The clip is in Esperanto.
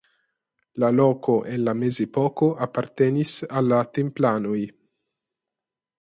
La loko en la Mezepoko apartenis al la Templanoj.